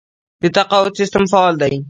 د تقاعد سیستم فعال دی؟